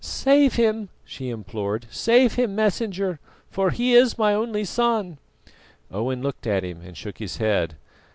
"Save him," she implored, "save him, Messenger, for he is my only son!" Owen looked at him and shook his head.